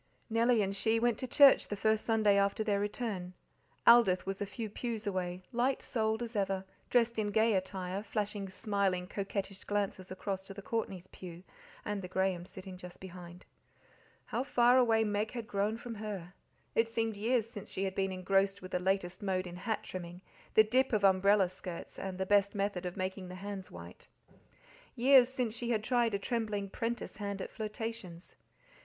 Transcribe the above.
Nellie and she went to church the first Sunday after their return. Aldith was a few pews away, light souled as ever, dressed in gay attire, flashing smiling, coquettish glances across to the Courtneys' pew, and the Grahams sitting just behind. How far away Meg had grown from her! It seemed years since she had been engrossed with the latest mode in hat trimming, the dip of "umbrella" skirts, and the best method of making the hands white. Years since she had tried a trembling 'prentice hand at flirtations.